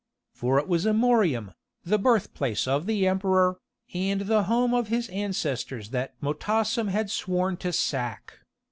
For it was Amorium, the birth place of the Emperor, and the home of his ancestors that Motassem had sworn to sack.